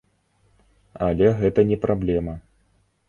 Але гэта не праблема.